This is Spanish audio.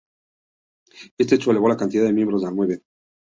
Este hecho elevó la cantidad de miembros a nueve.